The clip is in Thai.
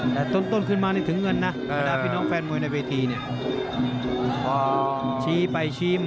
แต่ต้นขึ้นมานี่ถึงเงินนะ